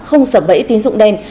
không sập bẫy tín tùng đen